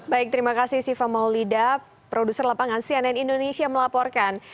baik terima kasih siva maulida produser lapangan cnn indonesia melaporkan